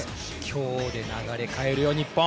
今日で流れを変えるよ、日本！